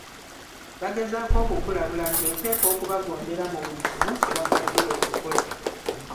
Bagezaako okukulabula nti oteekwa okubagondera mu buli kimu kye bakulagira okukola.